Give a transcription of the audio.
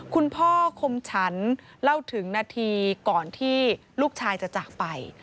คุณพ่อคมฉันเล่าถึงนาทีก่อนที่ลูกชายจะจากไป